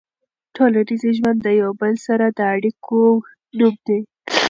ټولنیز ژوند د یو بل سره د اړیکو نوم دی.